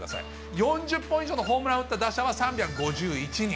４０本以上のホームランを打った打者は３５１人。